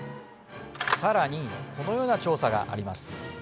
さらにこのような調査があります